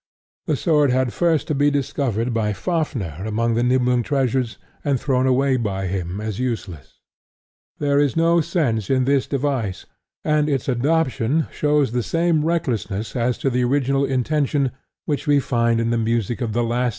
The sword had first to be discovered by Fafnir among the Niblung treasures and thrown away by him as useless. There is no sense in this device; and its adoption shows the same recklessness as to the original intention which we find in the music of the last act of The Dusk of the Gods.